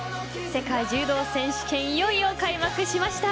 世界柔道選手権いよいよ開幕しました。